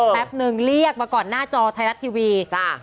แป๊บนึงเรียกมาก่อนหน้าจอไทยรัฐทีวีจ้ะ